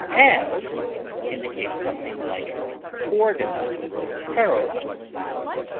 As indicates something like, coordinate, parallel.